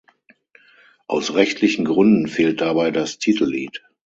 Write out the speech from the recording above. Aus rechtlichen Gründen fehlt dabei das Titellied.